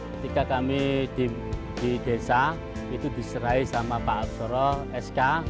ketika kami di desa itu diserai sama pak absoro sk